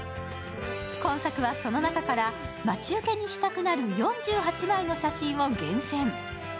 今作は、その中から待ち受けにしたくなる４８枚の写真を厳選。